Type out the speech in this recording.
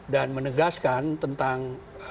dan menegaskan tentang